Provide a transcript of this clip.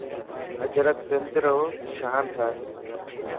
اجرڪ سنڌ رو شان هي.